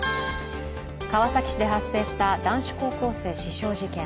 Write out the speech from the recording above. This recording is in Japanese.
川崎市で発生した男子高校生死傷事件。